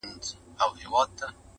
چي پر دي دي او که خپل خوبونه ویني؛